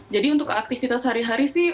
jadi untuk aktivitas hari hari sih